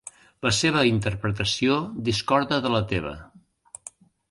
La seva interpretació discorda de la teva.